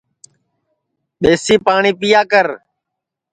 ٻیسی پاٹؔی پِیا کر